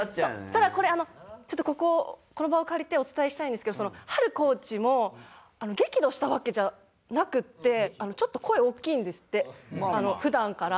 ただこれちょっとこここの場を借りてお伝えしたいんですけど波留コーチも激怒したわけじゃなくてちょっと声大きいんですって普段から。